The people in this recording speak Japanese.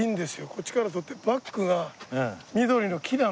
こっちから撮ってバックが緑の木なんですよ。